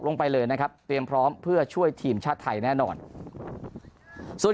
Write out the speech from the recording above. ลงไปเลยนะครับเตรียมพร้อมเพื่อช่วยทีมชาติไทยแน่นอนส่วน